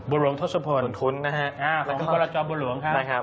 บุหรุทศพลของกรจบุหรวงครับ